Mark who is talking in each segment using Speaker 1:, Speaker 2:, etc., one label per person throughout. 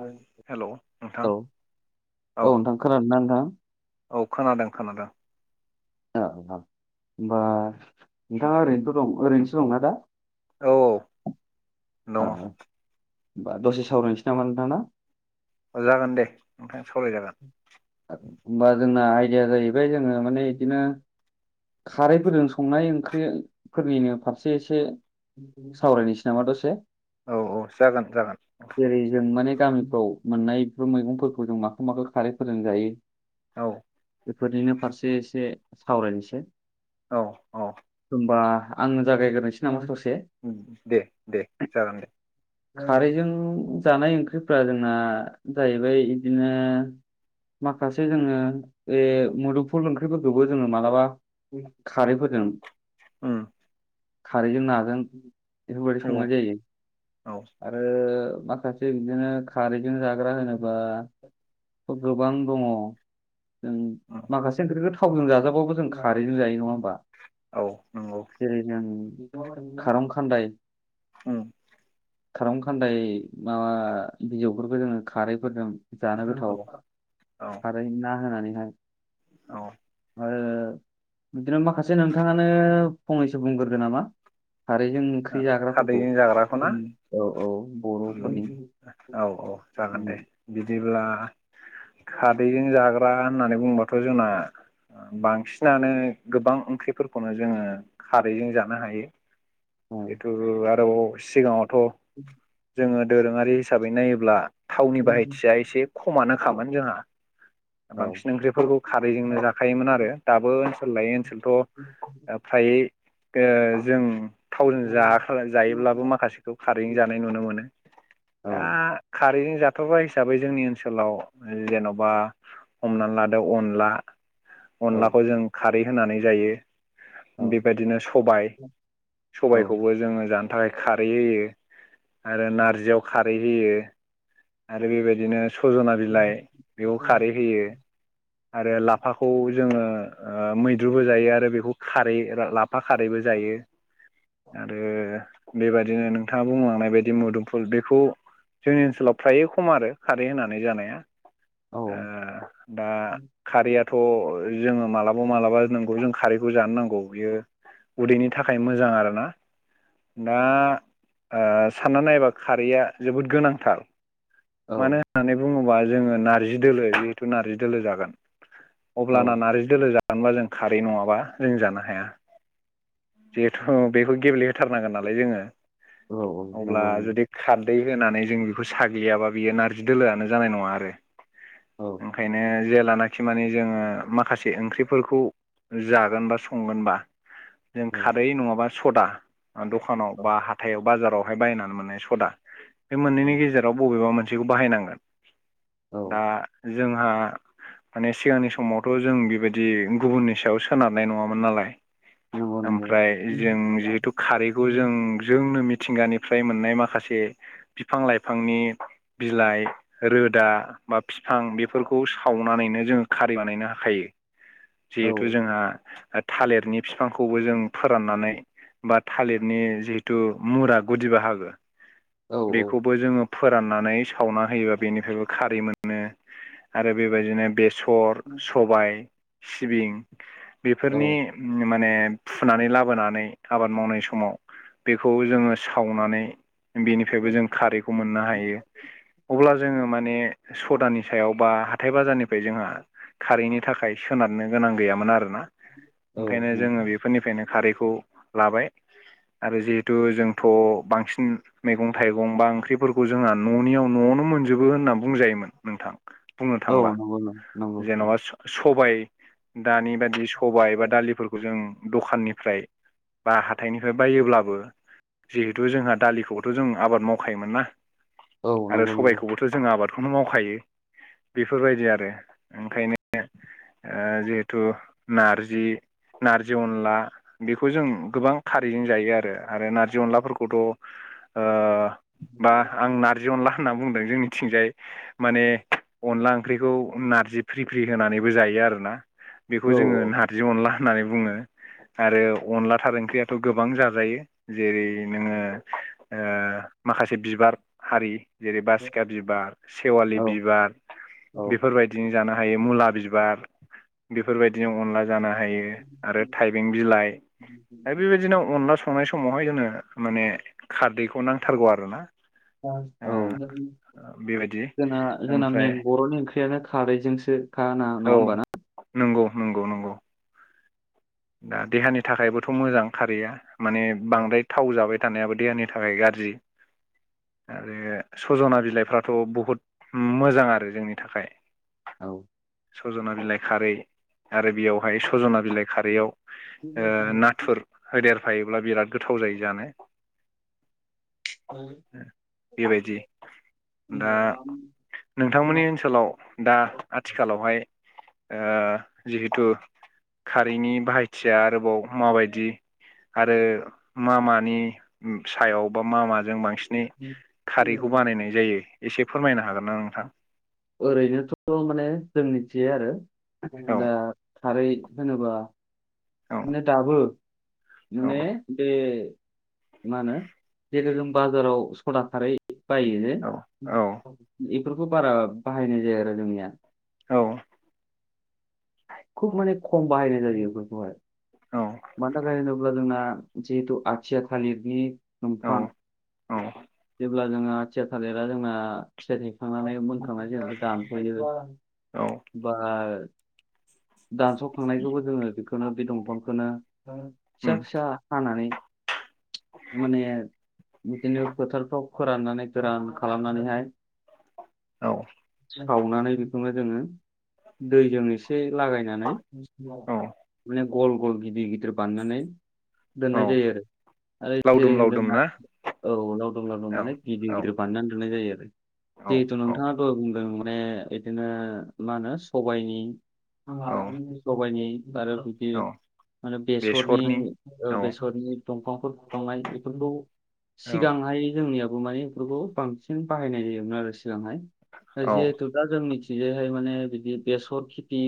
Speaker 1: Hello औ नोंथां खोनादोंना नोंथां?
Speaker 2: औ खोनादों खोनादों।
Speaker 1: औ औ होनोमबा नोंथाङा ओरैनोथ' दं ओरैनोसो दंना दा?
Speaker 2: औ
Speaker 1: अ
Speaker 2: दङ
Speaker 1: होनोमबा दसे सावरायनोसै नामा नोंथां ना?
Speaker 2: जागोन दे नोंथां सावरायजागोन
Speaker 1: होनोमबा जोंना आइडिया जाहैबाय जोङो माने बिदिनो खारैफोरजों संनाय ओंख्रिफोरनिनो फारसे एसे सावरायनोसै नामा दसे
Speaker 2: औ औ जागोन जागोन
Speaker 1: जेरै जों माने गामिफ्राव मोननाय बेफोर मैगंफोरखौ जों माखौ माखौ खारैफोरजों जायो?
Speaker 2: औ
Speaker 1: बेफोरनिनो फारसे एसे सावरायनोसै
Speaker 2: औ औ
Speaker 1: होमबा आंनो जागाग्रोसै नामा ससे
Speaker 2: ओम दे दे जागोन दे
Speaker 1: खारैजों जानाय ओंख्रिफ्रा जोंना जाहैबाय बिदिनो माखासे जोङो बे मुदुमफुल ओंख्रिफोरखौबो जोङो मालाबा खारैफोरजों
Speaker 2: ओम
Speaker 1: खारैजों नाजों बेफोरबायदि संनाय
Speaker 2: औ
Speaker 1: जायो
Speaker 2: औ
Speaker 1: आरो माखासे बिदिनो खारैजों जाग्रा होनोबा गोबां दङ जों
Speaker 2: उम
Speaker 1: माखासे ओंख्रिखौ थावजों जाजाबाबो जों खारैजों जायो नङा होनबा
Speaker 2: औ नंगौ
Speaker 1: खारं खान्दाय
Speaker 2: ओम
Speaker 1: खारं खान्दाय माबा बिजौफोरखौ जोङो खारैफोरजों जानो
Speaker 2: औ
Speaker 1: गोथाव
Speaker 2: औ
Speaker 1: खारै ना होनानैहाय
Speaker 2: औ
Speaker 1: ओ बिदिनो माखासे नोंथाङानो फंनैसो बुंगोरदो नामा? खारैजों ओंख्रि जाग्राफोरखौ ओम औ औ
Speaker 2: ओम
Speaker 1: बर'फोरनि
Speaker 2: औ औ जागोन दे बिदिब्ला खादैजों जाग्रा होननानै बुंबाथ' जोंना बांसिनानो गोबां ओंख्रिफोरखौनो जोङो खारैजों जानो हायो
Speaker 1: औ
Speaker 2: जिथु आरोबाव सिगाङावथ' जोङो दोरोङारि हिसाबै नायोब्ला थावनि बाहायथिया एसे खमानो खामोन जोंहा
Speaker 1: औ
Speaker 2: बांसिन ओंख्रिफोरखौ खारैजोंनो जाखायोमोन आरो दाबो ओनसोल लायै ओनसोलथ' ओ फ्राय ओ जों थावजों जाखा जायोब्लाबो माखासेखौ खारैजों जानाय नुनो मोनो
Speaker 1: औ
Speaker 2: दा खारैजों जाथावग्रा हिसाबै जोंनि ओनसोलाव जेन'बा हमनानै लादो अनला
Speaker 1: औ
Speaker 2: अनलाखौ जों खारै होनानै जायो
Speaker 1: औ
Speaker 2: बेबायदिनो सबाय सबायखौबो जोङो जानो थाखाय खारै होयो आरो नारजियाव खारै होयो आरो बेबायदिनो सजना बिलाइ बेयाव खारै होयो आरो लाफाखौ जोङो ओ मैद्रुबो जायो आरो बेखौ खारै लाफा खारैबो जायो आरो बेबायदिनो नोंथाङा बुंलांनाय बायदि मुदुमफुल बेखौ जोंनि ओनसोलाव फ्राय खम आरो खारै होनानै जानाया
Speaker 1: औ
Speaker 2: ओ दा खारैया थ' जोङो मालाबा मालाबा नोंगौ जों खारैखौ जानो नांगौ बियो उदैनि थाखाय मोजां आरो ना दा ओ सानना नायोबा खारैया जोबोद गोनांथार मानो होननानै बुङोबा जोङो नार्जि दोलो जिहेथु नारजि दोलो जागोन।
Speaker 1: औ
Speaker 2: अब्लाना नारजि दोलो जानोबा जों खारै नङाबा जों जानो हाया जिहेथु बेखौ गेब्लेहोथारनांगोन नालाय जोङो
Speaker 1: औ
Speaker 2: अब्ला
Speaker 1: नंगौ
Speaker 2: जुदि खार दै होनानै जों बेखौ साग्लियाबा बेयो नारजि दोलोआनो जानाय नङा आरो ओंखायनो जे लानाखि माने जोङो माखासे ओंख्रिफोरखौ जागोन बा संगोनबा जों खारै नङाबा सदा दखानाव बा हाथायाव बाजारावहाय बायनानै मोननाय सदा बे मोननैनि गेजेराव बबेबा मोनसेखौ बाहायनांगोन दा जोंहा माने सिगांनि समावथ' जों बेबायदि गुबुननि सायाव सोनारनाय नङामोन नालाय
Speaker 1: नंगौ
Speaker 2: ओमफ्राय जों जिहेतु खारैखौ जों जोंनो मिथिंगानिफ्राय मोननाय माखासे बिफां-लाइफांनि बिलाइ रोदा बा बिफां बेफोरखौ सावनानैनो जोङो खारिै बानायनो हायो।
Speaker 1: औ
Speaker 2: जिहेथु जोंहा थालिरनि बिफांखौबो जों फोराननानै बा थालिरनि जिहेतु मुरा गुदि बाहागो
Speaker 1: औ औ
Speaker 2: बेखौबो जोङो फोराननानै सावना होयो बेनिफ्रायबो खारै मोनो। आरो बेबादिनो बेस सर, सबाय, सिबिं बेफोरनि माने फुनानै लाबोनानै आबाद मावनाय समाव बेखौ जोङो सावनानै बेनिफ्रायबो जों खारैखौ मोननो हायो। अब्ला जोङो माने सदानि सायाव बा हाथाय बाजारनिफ्राय जोंहा खारैनि थाखाय सोनारनो गोनां गैयामोन आरोना।
Speaker 1: औ
Speaker 2: ओंखायनो जोङो बेफोरनिफ्रायनो खारै खौ लाबाय आरो जिहेथु जोंथ' बांसिन मैगं-थाइगं गंबा ओंख्रिफोरखौ जोंहा न'नियाव न'आवनो मोनजोबो होनना बुंजायोमोन नोंथां। बुंनो
Speaker 1: औ
Speaker 2: थांबा
Speaker 1: नंगौ नंगौ औ नंगौ औ नंगौ
Speaker 2: जेन'बा सबाय दानि बादि सबाय बा दालिफोरखौ जों दखाननिफ्राय बा हाथाइनिफ्राय बायोब्लाबो जिहेथु जोंहा दालिखौथ' जों आबाद मावखायोमोन ना
Speaker 1: औ
Speaker 2: आरो
Speaker 1: नंगौ नंगौ
Speaker 2: सबायखौबोथ' जों आबाद बखौनो मावखायो बेफोरबायदि आरो ओंखायनो ओ जिहेथु नारजि नारजि अनला बेखौ जों गोबां खारैजों जायो आरो आरो नारजि अनलाफोरखौथ' ओ बा आं नारजि अनला होनना बुंदों जोंनिथिंजाय माने अनला ओंख्रिखौ नारजि फ्रि फ्रि होनानै जायो आरोना बेखौ
Speaker 1: औ
Speaker 2: जोङो नारजि अनला होननानै बुङो। आरो अनदला थार ओंख्रियाथ' गोबां जाजायो जेरै नोङो ओ माखासे बिबार हारि जेरै बासिखा बिबार सेवालि
Speaker 1: औ
Speaker 2: बिबार
Speaker 1: औ
Speaker 2: बेफोरबायदिनो जानो हायो मुला बि बिबार बेफोरबायदिनो अनला जानो हायो आरो थाइबें बिलाइ आरो बेबादिनो अनला संनाय समावहाय जोंनो माने खारदैखौ नांथारगौ आरोना।
Speaker 1: औ
Speaker 2: ओ बेबायदि
Speaker 1: जोंना जोंना
Speaker 2: ओमफ्राय
Speaker 1: मेन बर'नि ओंख्रियानो खारैजोंसो खा ना
Speaker 2: औ
Speaker 1: नङा होमबा ना?
Speaker 2: नंगौ नंगौ नंगौ दा देहानि थाखायबोथ' मोजां खारैया। माने बांद्राय थाव जाबाय थानायाबो देहानि थाखाय गाज्रि। आरो सजना बिलाइफ्राथ' बहुद मोजां आरो जोंनि थाखाय।
Speaker 1: औ
Speaker 2: सजना बिलाइ खारै आरो बेयावहाय सजना बिलाइ खारैयाव नाथुर होदेरफायोब्ला बिराद गोथाव जायो जानो।
Speaker 1: औ
Speaker 2: बेबायदि दा नोंथांमोननि ओनसोलाव दा आथिखालावहाय ओ जिहेथु खारैनि बाहायथिया आरोबाव माबायदि आरो मामानि सायाव बा मा माजों बांसिन बिनि
Speaker 1: औ
Speaker 2: खारैखौ बानायनाय जायो एसे फोरमायनो हागोन ना नोंथां?
Speaker 1: ओरैनोथ' माने जों मिथियो आरो
Speaker 2: औ
Speaker 1: दा खारै होनोबा
Speaker 2: औ
Speaker 1: माने दाबो
Speaker 2: औ
Speaker 1: माने बे मा होनो जे जों बाजाराव सदा खारै बायो
Speaker 2: औ
Speaker 1: बेफोरखौ बारा बाहायनाय जाया आरो जोंनिया
Speaker 2: औ
Speaker 1: खुब माने खम बाहायनाय जायो बेफोरखौहाय। मानो थाखाय होनोब्ला जोंना जिहेथु आथिया थालिरनि
Speaker 2: औ
Speaker 1: दंफां
Speaker 2: औ
Speaker 1: अब्ला जोंहा आथिया थालिरा जोंना फिथाइ थाइखांनानै मो नि उनाव दानफायो
Speaker 2: औ
Speaker 1: बा दानस'खांनायखौबो जोङो बेखौनो बे दंफांखौनो फिसा
Speaker 2: उम
Speaker 1: फिसा हानानै माने बिदिनो फोथारफ्राव फोराननानै गोरान खालामनानैहाय
Speaker 2: औ
Speaker 1: सावनानै बेखौनो जोङो दैजों एसे लागायनानै
Speaker 2: औ
Speaker 1: माने गल गल गिदिर गिदिर गिदिर बानायनानै
Speaker 2: औ
Speaker 1: दोननाय जायो आरो। आरो जेरै
Speaker 2: लावदुम लावदुम
Speaker 1: होनदों
Speaker 2: ना
Speaker 1: औ लावदुम लावदुम
Speaker 2: औ
Speaker 1: माने गिदिर
Speaker 2: औ
Speaker 1: गिदिर बानायनानै दोननाय जायो आरो।
Speaker 2: औ
Speaker 1: जिहेथु
Speaker 2: औ
Speaker 1: नोंथाङा दहाय बुंदों माने बिदिनो मा होनो सबाइनि
Speaker 2: औ
Speaker 1: सबाइनि आरो बिदि
Speaker 2: औ
Speaker 1: माने बेसरनि औ बेसरनि दंफांफोर [unintelligible] बेफोरखौ
Speaker 2: औ
Speaker 1: सिगांहाय जोंनियाव बेखौ माने बेफोरखौ बांसिन बाहायनाय जायोमोन आरो सिगांहाय
Speaker 2: औ
Speaker 1: जिहेथु दा जों बिजाहाय माने बिदि बेसर खेथि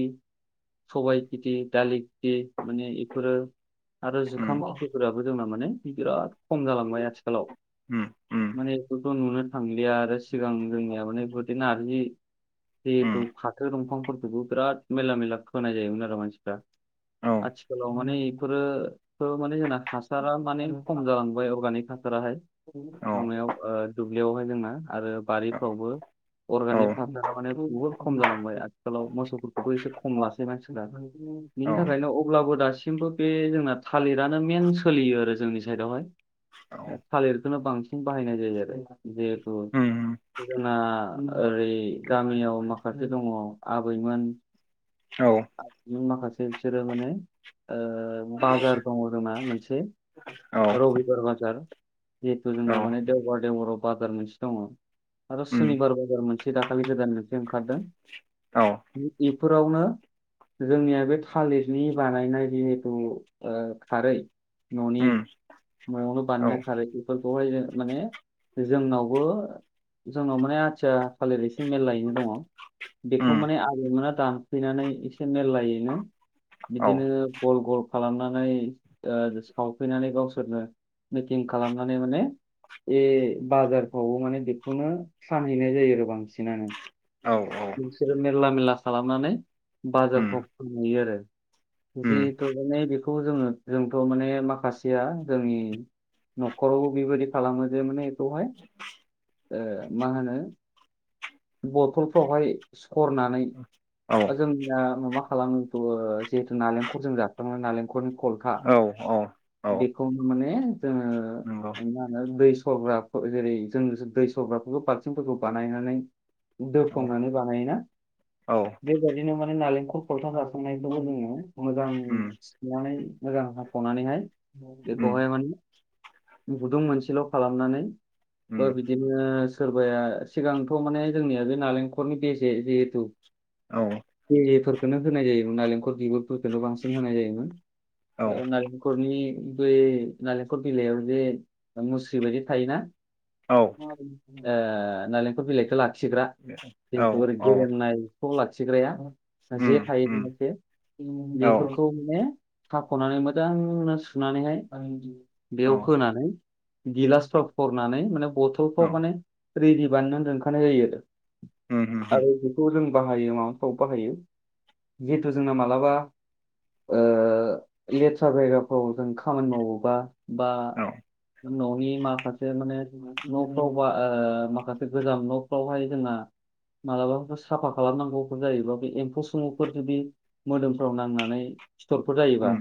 Speaker 1: सबाइ खिथि दालि खिथि माने बेफोरो आरो
Speaker 2: उम
Speaker 1: जुखाम आख्रिफोराबो जोंना माने बिराद खम जालांबाय आथिखालाव
Speaker 2: उम उम
Speaker 1: माने बेखौथ' नुनो थांलिया आरो सिगां जोंनिया माने बेबादि नारजि जिहेथु
Speaker 2: उम
Speaker 1: फाथो दंफांफोरखौबो बिराद मेरला मेरला फोनाय जायोमोन आरो मानसिफ्रा।
Speaker 2: औ
Speaker 1: आथिखालाव माने इफोरोथ माने जोंना हासारा माने खम जालांबाय अर्गानिक हासाराहाय माबायाव ओ दुब्लियावहाय जोंना आरो
Speaker 2: औ
Speaker 1: बारिफ्रावबो
Speaker 2: औ
Speaker 1: अरगानिक हासार--‌ माने बहुत खम जालांबाय आथिखालाव मोसौफोरखौबो एसे खम लासैनांसिगोन आरो बिनि थाखायनो अब दासिमबो बे जोंना थालिरानो मेन सोलियो आरो जोंनि
Speaker 2: औ
Speaker 1: साइडआवहाय। थालिरखोनो बांसिन बाहायनाय जायो आरो‌ जिहेतु
Speaker 2: उम
Speaker 1: जोंना ओरै गामियाव माखासे दङ आबैमोन।
Speaker 2: औ।
Speaker 1: माखासे बिसोरो माने ओ बाजार दङ जोंना मोनसे
Speaker 2: औ
Speaker 1: रबिबार बाजार। जिहेथु
Speaker 2: औ
Speaker 1: जोंना माने देवबार देवबराव बाजार मोनसे दङ। आरो
Speaker 2: उम
Speaker 1: सुनिबार बाजार मोनसे दाखालि गोदान मोनसे ओंखारदों।
Speaker 2: औ
Speaker 1: इफोरावनो। जोंनिया बे थालिरनि बानायनाय बिखौ ओ खारै। न'नि।
Speaker 2: उम
Speaker 1: न'आवनो‌
Speaker 2: औ
Speaker 1: बानायनाय खारै बेफोरखौहाय माने जोंनावबो जोंनाव माने आथिया थालिर एसे मेललायैनो दङ। बेखौ
Speaker 2: उम
Speaker 1: माने आबैमोना दानफैनानै एसे मेरलायैनो
Speaker 2: औ
Speaker 1: बिदिनो गल गल खालामनानै ओ सावफैनानै गावसोरनो। मिटिं खालामनानै माने ए बाजारफ्रावबो माने बेखौनो फानहैनाय जायो आरो बांसिनानो।
Speaker 2: औ औ
Speaker 1: बिसोरो मेरला मेरला खालामनानै
Speaker 2: उम
Speaker 1: बाजारफ्राव फानहैयो आरो।
Speaker 2: उम
Speaker 1: जिहेथु माने बेखौ जोङो जोंथ' माने माखासेया जोंनि न'खरावबो बेबायदि खालामो जे माने बेखौहाय ओ होनो? बथलफ्रावहाय सरनानै
Speaker 2: औ
Speaker 1: जोंना माबा खालामोथ' ओ जिहेथु नालेंखरजों जाफांना नालेंखल खलथा।
Speaker 2: औ औ औ
Speaker 1: बेखौनो माने जोङो
Speaker 2: नंगौ
Speaker 1: मा होनो दै सरग्रा जेरै जों दै। दै सरग्राफोरखौ बालथिंफोरखौ बानायनानै
Speaker 2: औ
Speaker 1: दोफांनानै बानायोना।
Speaker 2: औ
Speaker 1: बेबायदिनो माने नालेंखल खलथा जाखांनायखौबो जोङो मोजां
Speaker 2: उम
Speaker 1: सोनानै मोजां। हाखावनानैहाय
Speaker 2: उम
Speaker 1: बेखौहाय माने गुदुं मोनसेल' खालामनानै। बा
Speaker 2: उम
Speaker 1: बिदिनो सोरबाया सिगांथ' माने। जोंनिया जे नालेंखरनि बेजे जेहेथु।
Speaker 2: औ
Speaker 1: बेजेफोरखोनो होनाय जायोमोन नालेंखल बिगुरफोरखोनो बांसिन होनाय जायो।
Speaker 2: औ
Speaker 1: ओ नारेंखरनि बै नारेंखल बिलाइयाव जे मुस्रि बायदि थायोना।
Speaker 2: औ
Speaker 1: ओ नालेंखर बिलाइखो लाखिग्रा।
Speaker 2: औ
Speaker 1: जिहेथु
Speaker 2: औ
Speaker 1: गेलेमनायखौ लाखिग्राया जे
Speaker 2: उम उम
Speaker 1: थायोनाखे।
Speaker 2: औ औ
Speaker 1: बेफोरखौ माने हाख'नानै मोजांनो सुनानैहाय बेयाव
Speaker 2: औ
Speaker 1: फोनानै। गिलासफ्राव फरनानै माने बथलफ्राव माने रेडि बानायनानै दोनखानाय जायो। [unintelligible]
Speaker 2: उम उम
Speaker 1: आरो बेखौ जों बाहायो माबाफ्राव बाहायो जिहेथु जोंना मालाबा। ओ लेथ्रा जायगाफ्राव जों खामानि मावोबा बा।
Speaker 2: औ
Speaker 1: न'नि माखासे माने न' बावबा ओ माखासे गोजाम न'। फोरावहाय जोंना। मालाबाफोर साफा खालामनांगौफोर जायोबा बे एम्फौ सुफोर जुदि मोदोमफ्राव नांनानै। सिथरफोर जायोबा।
Speaker 2: उम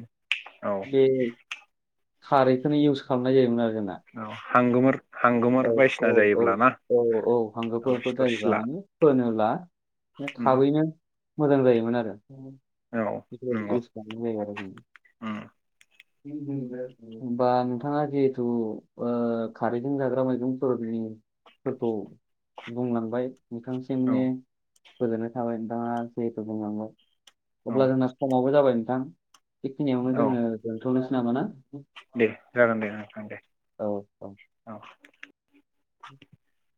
Speaker 2: औ
Speaker 1: बे खारैखौनो इउस खालामनाय जायोमोन आरो जोंना।
Speaker 2: हांगोमोर।
Speaker 1: औ
Speaker 2: हांगोमोर
Speaker 1: औ
Speaker 2: बायदिसिना
Speaker 1: औ
Speaker 2: जायोब्ला ना
Speaker 1: औ औ
Speaker 2: औ
Speaker 1: हांगोफोरफोर
Speaker 2: सिथर
Speaker 1: जायोबा
Speaker 2: सिला
Speaker 1: माने फोनो ला।
Speaker 2: उम
Speaker 1: थाबैनो। मोजां जायोमोन आरो
Speaker 2: औ
Speaker 1: बेफोर
Speaker 2: नंगौ
Speaker 1: इउस खालामनाय जायो आरो।
Speaker 2: उम
Speaker 1: होमबा नोंथाङा जिहेथु ओ खारैजों जादो। दा मैगंफोरनि फोरखौ बुंलांबाय नोंथां
Speaker 2: औ
Speaker 1: [unintelligible] गोजोननाय थाबाय नोंथाङा जिहेथु बुंलांबाय
Speaker 2: औ
Speaker 1: अब्ला जोंना समाबो जाबाय नोंथां बेखिनियावनो
Speaker 2: औ
Speaker 1: जोङो दोनथ'नोसै नामा ना?
Speaker 2: दे जागोन दे नोंथां दे
Speaker 1: औ औ [inaudible]